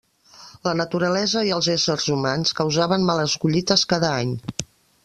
La naturalesa i els éssers humans causaven males collites cada any.